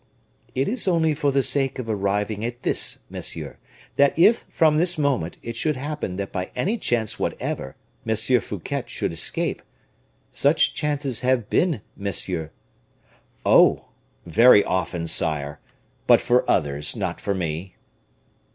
"It is only for the sake of arriving at this, monsieur, that if, from this moment, it should happen that by any chance whatever M. Fouquet should escape such chances have been, monsieur " "Oh! very often, sire; but for others, not for me."